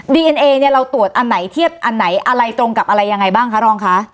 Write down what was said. เอ็นเอเนี่ยเราตรวจอันไหนเทียบอันไหนอะไรตรงกับอะไรยังไงบ้างคะรองคะ